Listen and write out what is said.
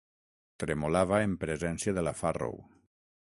Tremolava en presència de la Farrow.